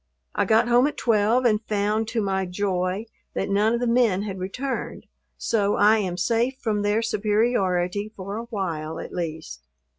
I got home at twelve and found, to my joy, that none of the men had returned, so I am safe from their superiority for a while, at least.